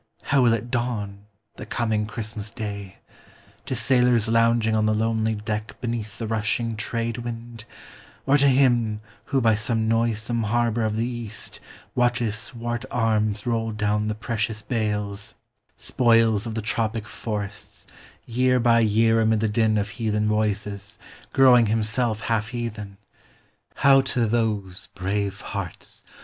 How will it dawn, the coming Christmas day ? To sailors lounging on the lonely deck Beneath the rushing trade wind ? Or to him. Who by some noisome harbor of the East, Watches swart arms roll down the precious bales, THE FLYING GLEAM, THE FLYING SHOWER. 12 CHRISTMAS DAY. Spoils of the tropic forests ; year by year ■ L Amid the din of heathen voices, oTOwine: 'V ^ ^^V Himself half heathen ? How to those, brave hearts